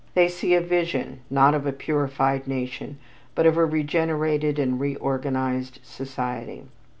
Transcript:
They see a vision, not of a purified nation but of a regenerated and a reorganized society.